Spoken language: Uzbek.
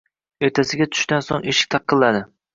Ertasiga tushdan so`ng eshik taqilladi